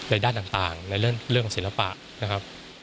ในด้านต่างในเรื่องศิลปะ